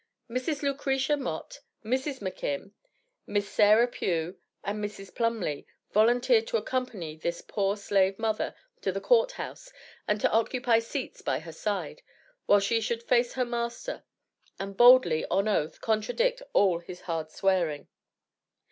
Mrs. Lucretia Mott, Mrs. McKim, Miss Sarah Pugh and Mrs. Plumly, volunteered to accompany this poor slave mother to the court house and to occupy seats by her side, while she should face her master, and boldly, on oath, contradict all his hard swearing.